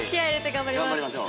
◆頑張りましょう。